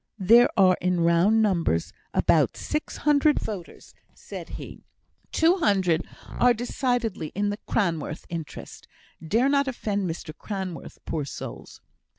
"There are in round numbers about six hundred voters," said he; "two hundred are decidedly in the Cranworth interest dare not offend Mr Cranworth, poor souls!